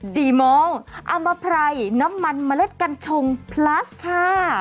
ดีมองอมไพรน้ำมันเมล็ดกัญชงพลัสค่ะ